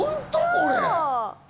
これ。